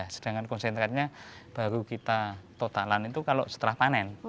sedangkan konsentratnya baru kita totalan itu kalau setelah panen